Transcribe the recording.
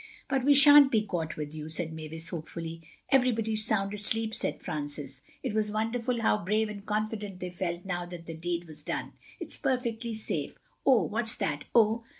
"But we shan't be caught with you," said Mavis hopefully. "Everybody's sound asleep," said Francis. It was wonderful how brave and confident they felt now that the deed was done. "It's perfectly safe—Oh, what's that! Oh!"